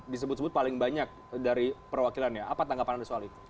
disebut sebut paling banyak dari perwakilannya apa tanggapan anda soal itu